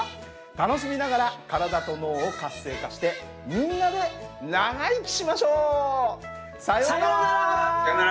楽しみながら体と脳を活性化してみんなで長生きしましょう！さようなら。